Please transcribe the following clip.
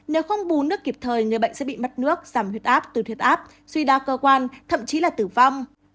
nếu không bù nước kịp thời người bệnh sẽ bị mất nước giảm huyết áp từ thiệt áp suy đa cơ quan thậm chí là tử vong